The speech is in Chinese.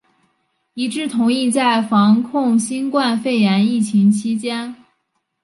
一致同意在防控新冠肺炎疫情期间